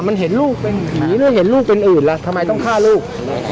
มันเห็นลูกเป็นหมีแล้วเห็นลูกเป็นอื่นล่ะทำไมต้องฆ่าลูก